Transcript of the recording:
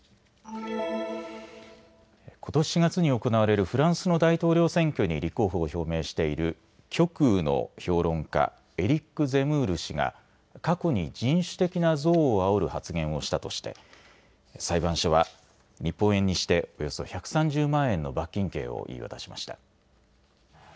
ことし４月に行われるフランスの大統領選挙に立候補を表明している極右の評論家、エリック・ゼムール氏が過去に人種的な憎悪をあおる発言をしたとして裁判所は日本円にしておよそ１３０万円の罰金刑を言い渡しました。